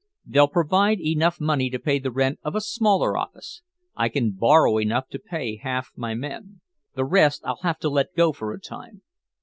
They'll provide enough money to pay the rent of a smaller office. I can borrow enough to pay half my men. The rest I'll have to let go for a time."